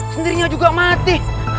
sentirnya juga mati